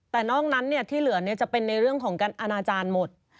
แต่นอกนั้นที่เหลือจะเป็นในเรื่องของการอนาจารย์หมด